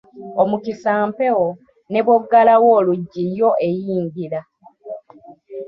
Omukisa mpewo, ne bw'oggalawo oluggi yo eyingira.